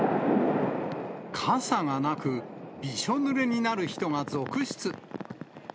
傘がなく、びしょぬれになる人が続出。